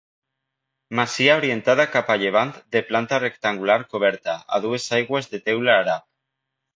Masia orientada cap a llevant de planta rectangular coberta a dues aigües de teula àrab.